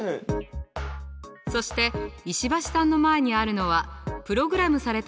そして石橋さんの前にあるのはプログラムされた指令を受ける基板。